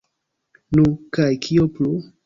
Nu, kaj kio plu?